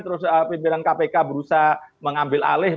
terus pimpinan kpk berusaha mengambil alih